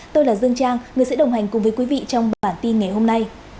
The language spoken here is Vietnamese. tôi là dương trang người sẽ đồng hành cùng với quý vị trong bản tin ngày hôm nay